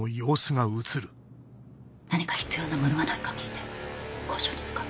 何か必要な物はないか聞いて交渉に使う。